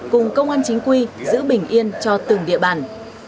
cùng công an chính quy giữ bình yên cho từng địa bàn